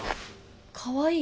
「かわいい」